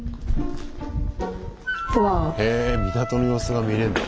へ港の様子が見れんだ。